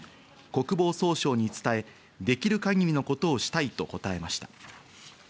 国防総省に伝え、できる限りのことをしたいと答えました。